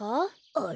あれ？